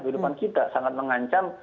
kehidupan kita sangat mengancam